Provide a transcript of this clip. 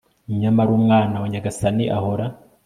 nyamara umwana wa nyagasani, ahora